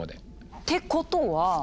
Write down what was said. ってことは。